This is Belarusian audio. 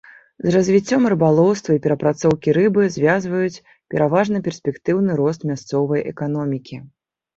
З развіццём рыбалоўства і перапрацоўкі рыбы звязваюць пераважна перспектыўны рост мясцовай эканомікі.